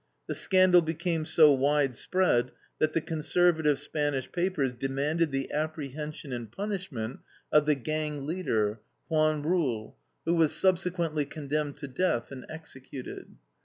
The scandal became so widespread that the conservative Spanish papers demanded the apprehension and punishment of the gang leader, Juan Rull, who was subsequently condemned to death and executed.